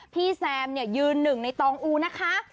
พี่แซมเนี่ยยืนหนึ่งในตองอูนะคะ